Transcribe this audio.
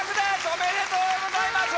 おめでとうございます。